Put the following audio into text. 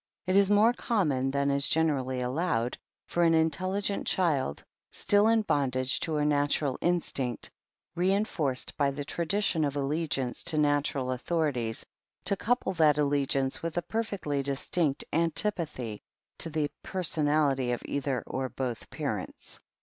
It is more common than is generally allowed, for an intelligent child, still in bondage to her natural instinct, reinforced by the tradition of allegiance to natural authorities, to couple that allegiance with a perfectly distinct an tipathy to the personality of either or both parents.